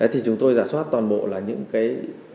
thì chúng tôi giả soát toàn bộ là những cái